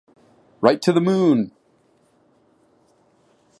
Right to the moon!